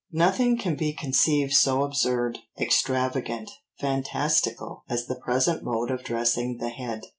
"Nothing can be conceived so absurd, extravagant, fantastical, as the present mode of dressing the head.